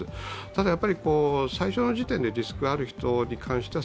ただ、最初の時点でリスクがある人に対しては